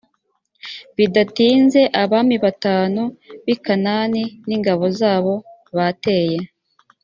bidatinze abami batanu bi kanani n ingabo zabo bateye